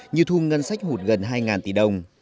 nhiều thu ngân sách hụt gần hai tỷ đồng